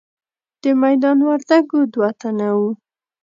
د میدان وردګو دوه تنه وو.